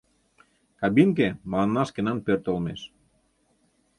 Кабинке — мыланна шкенан пӧрт олмеш.